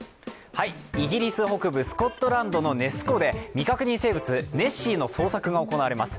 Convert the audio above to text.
イギリス北部スコットランドのネス湖で未確認生物、ネッシーの捜索が行われます。